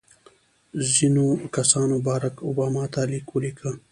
ځینو کسانو بارک اوباما ته لیک ولیکه.